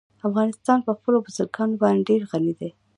افغانستان په خپلو بزګانو باندې ډېر غني دی.